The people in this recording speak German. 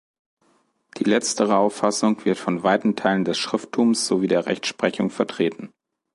Die letztere Auffassung wird von weiten Teilen des Schrifttums sowie der Rechtsprechung vertreten.